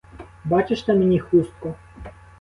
Бачиш на мені хустку?